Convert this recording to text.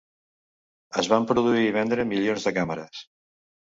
Es van produir i vendre milions de càmeres.